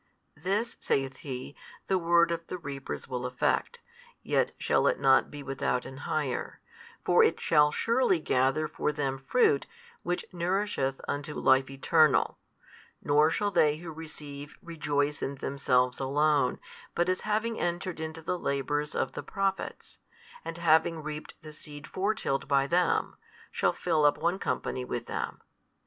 This (saith He) the word of the reapers will effect, yet shall it not be without an hire: for it shall surely gather for them fruit which nourisheth unto life eternal: nor shall they who receive rejoice in themselves alone but as having entered into the labours of the Prophets, and having reaped the seed fore tilled by them, shall fill up one company with them.